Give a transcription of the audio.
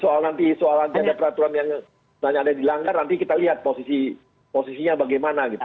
soal nanti ada peraturan yang nanti ada yang dilanggar nanti kita lihat posisinya bagaimana gitu